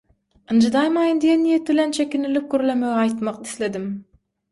ynjydaýmaýyn diýen niýet bilen, çekinilip gürlemegi aýtmak isledim.